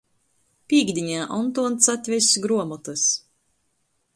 Pīktdīnē Ontons atvess gruomotys.